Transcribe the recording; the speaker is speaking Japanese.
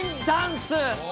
ダンス。